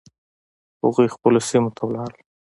هغوی خپلو سیمو ته ولاړل.